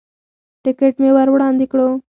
ټکټ مې ور وړاندې کړو.